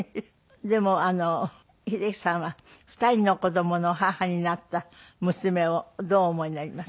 でも英樹さんは２人の子供の母になった娘をどうお思いになります？